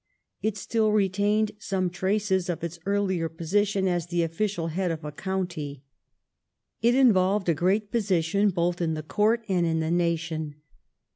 It still retained some traces of its earlier position as the official head of a county. It involved a great position both in the court and in the nation.